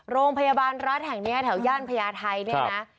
โรงพยาบาลรัฐแห่งนี้แถวย่านพญาไทยเนี่ยนะ